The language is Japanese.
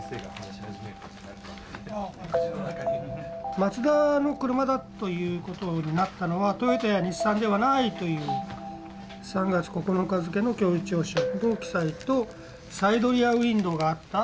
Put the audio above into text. マツダの車だということになったのはトヨタやニッサンではないという３月９日付けの供述聴取の記載とサイドリアウインドーがあった